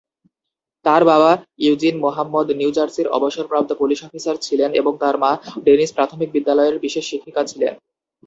তার বাবা Eugene Muhammad new জার্সির অবসরপ্রাপ্ত পুলিশ অফিসার ছিলেন এবং তার মা ডেনিস প্রাথমিক বিদ্যালয়ের বিশেষ শিক্ষিকা ছিলেন।